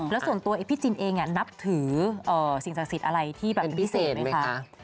แล้วส่วนตัวพี่จินเองนับถือสิ่งศักดิ์สิทธิ์อะไรที่แบบเป็นพิเศษไหมคะ